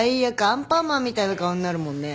アンパンマンみたいな顔になるもんね。